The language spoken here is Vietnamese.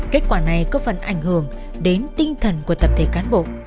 kết quả này có phần ảnh hưởng đến tinh thần của tập thể cán bộ